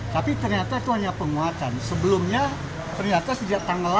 tapi ternyata itu hanya penguatan sebelumnya ternyata sejak tanggal delapan